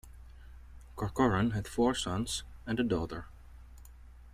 Corcoran had four sons and a daughter.